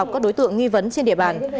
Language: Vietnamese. có đối tượng nghi vấn trên địa bàn